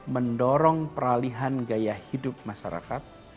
mendorong peralihan gaya hidup masyarakat